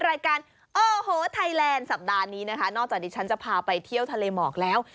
รายการโอ้โหไทยแลนด์สัปดาห์นี้นะคะนอกจากดิฉันจะพาไปเที่ยวทะเลหมอกแล้ว